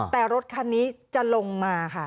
แต่รถคันนี้จะลงมาค่ะ